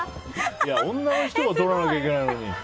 女の人が取らなきゃいけないのに。